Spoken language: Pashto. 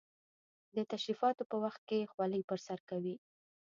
د تشریفاتو په وخت کې خولۍ پر سر کوي.